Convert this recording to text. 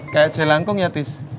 kayak jelangkung ya tis